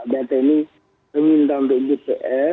data ini meminta oleh bts